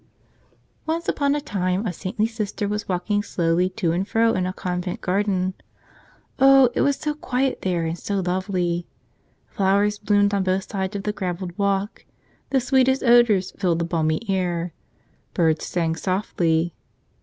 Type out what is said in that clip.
Once upon a time a saintly Sister was walk¬ ing slowly to and fro in a convent garden. Oh, it was so quiet there and so lovely! Flowers bloomed on both sides of the graveled walk. The sweetest odors filled the balmy air. Birds sang softly.